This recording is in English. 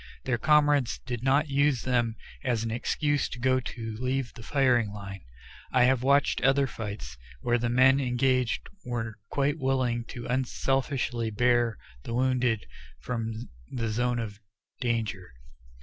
Their comrades did not use them as an excuse to go to leave the firing line. I have watched other fights, where the men engaged were quite willing to unselfishly bear the wounded from the zone of danger.